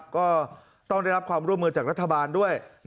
ก็ต้องได้รับความร่วมมือจากรัฐบาลด้วย